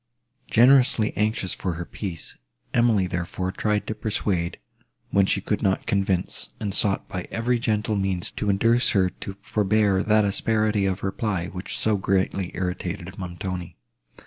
Generously anxious for her peace, Emily, therefore, tried to persuade, when she could not convince, and sought by every gentle means to induce her to forbear that asperity of reply, which so greatly irritated Montoni.